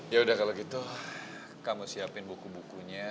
yaudah kalau gitu kamu siapin buku bukunya